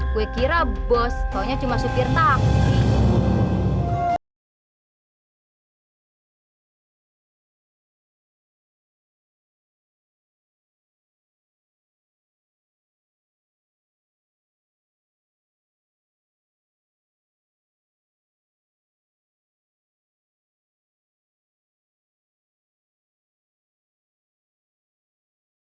gue kira bos taunya cuma supir taksi